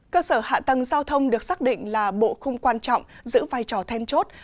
cơ sở hạ tầng giao thông được xác định là bộ khung quan trọng giữ vai trò then chốt